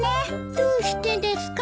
どうしてですか？